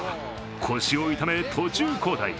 腰を痛め、途中交代。